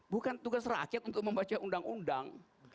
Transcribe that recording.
bukan tugas rakyat untuk membaca undang undang